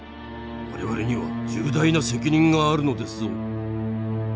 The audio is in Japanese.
我々には重大な責任があるのですぞ。